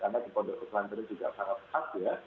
karena di pondok pesantren juga sangat khas ya